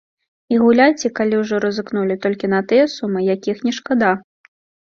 І гуляйце, калі ўжо рызыкнулі, толькі на тыя сумы, якіх не шкада.